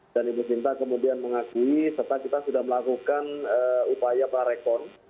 dan ibu sinta kemudian mengakui serta kita sudah melakukan upaya prarekon